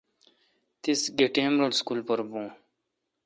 تیس گہ ٹیم رل اسکول پر بون؟